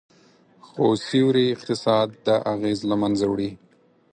خو سیوري اقتصاد دا اغیز له منځه وړي